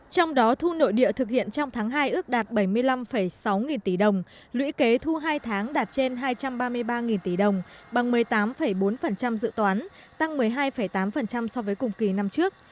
trong đó thu nội địa thực hiện trong tháng hai ước đạt bảy mươi năm sáu nghìn tỷ đồng lũy kế thu hai tháng đạt trên hai trăm ba mươi ba nghìn tỷ đồng bằng một mươi tám bốn dự toán tăng một mươi hai tám so với cùng kỳ năm trước